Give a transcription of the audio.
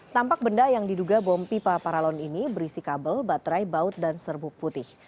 tampak benda yang diduga bom pipa paralon ini berisi kabel baterai baut dan serbuk putih